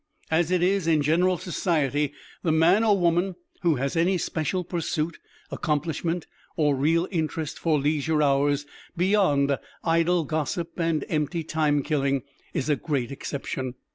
As it is, in general society the man or woman who has any special pursuit, accomplishment, or real interest for leisure hours, beyond idle gossip and empty time killing, is a great exception.